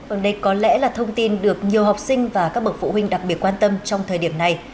ở đây có lẽ là thông tin được nhiều học sinh và các bậc phụ huynh đặc biệt quan tâm trong thời điểm này